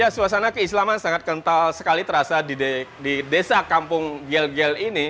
suasana keislaman sangat kental sekali terasa di desa kampung gel gel ini